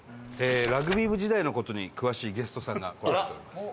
ラグビー部時代の事に詳しいゲストさんが来られております。